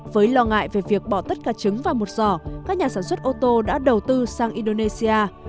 với lo ngại về việc bỏ tất cả trứng và một giỏ các nhà sản xuất ô tô đã đầu tư sang indonesia